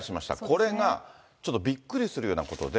これが、ちょっとびっくりするようなことで。